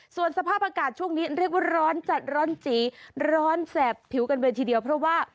ส่วนสภาพอากาศช่วงนี้เรียกว่าร้อนจัดร้อนจีร้อนแสบผิวกันเลยทีเดียวเพราะว่า